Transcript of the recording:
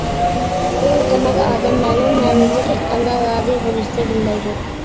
بىر مۇكەممەل ئادەم، مەلۇم مەنىدىن ئېيتقاندا، رازى بولۇشنى بىلمەيدۇ.